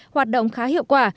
hoạt động khá hiệu quả